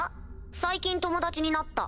最近友達になった。